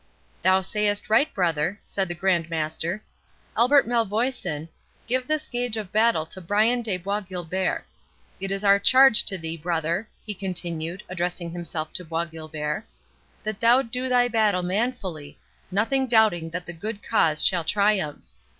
"Thou sayest right, brother," said the Grand Master. "Albert Malvoisin, give this gage of battle to Brian de Bois Guilbert.—It is our charge to thee, brother," he continued, addressing himself to Bois Guilbert, "that thou do thy battle manfully, nothing doubting that the good cause shall triumph.